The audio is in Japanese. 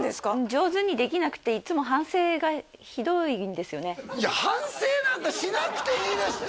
上手にできなくていつもいや反省なんかしなくていいですって